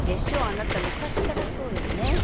あなた昔からそうよね。